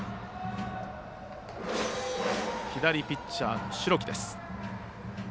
左ピッチャーの代木です。